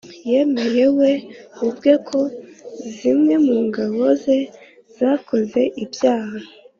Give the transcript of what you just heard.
yemeye we ubwe ko zimwe mu ngabo ze zakoze ibyaha